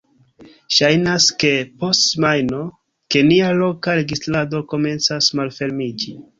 ŝajnas, ke post semajno, ke nia loka registrado komencas malfermiĝi